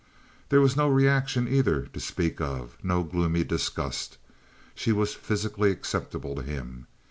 There was no reaction either, to speak of, no gloomy disgust. She was physically acceptable to him.